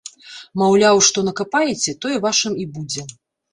Маўляў, што накапаеце, тое вашым і будзе.